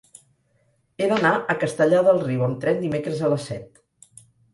He d'anar a Castellar del Riu amb tren dimecres a les set.